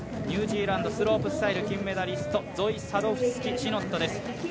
ニュージーランドスロープスタイル金メダリストゾイ・サドフスキ・シノットです。